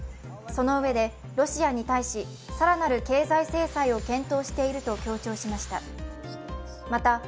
そのうえで、ロシアに対し、更なる経済制裁を検討していると強調しました。